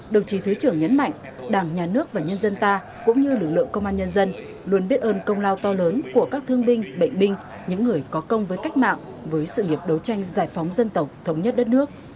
đồng chí thứ trưởng nhấn mạnh đảng nhà nước và nhân dân ta cũng như lực lượng công an nhân dân luôn biết ơn công lao to lớn của các thương binh bệnh binh những người có công với cách mạng với sự nghiệp đấu tranh giải phóng dân tộc thống nhất đất nước